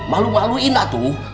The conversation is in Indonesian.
malu maluin lah tuh